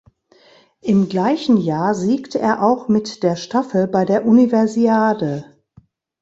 Im gleichen Jahr siegte er auch mit der Staffel bei der Universiade.